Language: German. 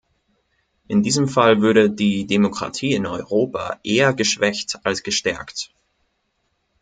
In diesem Fall würde die Demokratie in Europa eher geschwächt als gestärkt.